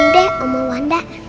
aku ngerti deh omah wanda